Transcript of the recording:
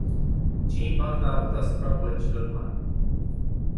Ce impact a avut asupra băncilor mari?